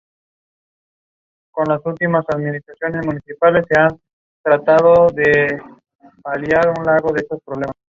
Actualmente desarrolla un espacio de Hip-Hop, expresión principal de la palabra de los jóvenes.